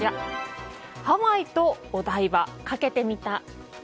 ハワイとお台場、かけてみた。